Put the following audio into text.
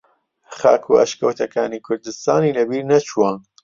خاک و ئەشکەوتەکانی کوردستانی لە بیر نەچووە